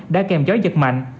đã kèm gió giật mạnh